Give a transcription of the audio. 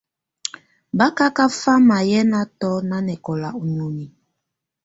Bá ká kafamà yɛnatɔ̀ nanɛkɔ̀la ù nioni.